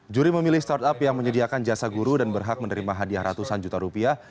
juri memilih startup yang menyediakan jasa guru dan berhak menerima hadiah ratusan juta rupiah